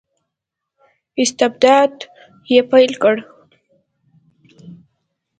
استبداد یې پیل کړ.